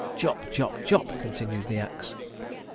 'Chop, chop, chop,' continued the axe.